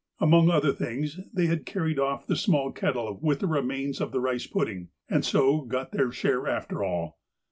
Among other things they had carried off the small kettle with the remains of the rice pudding, and so got their share after all.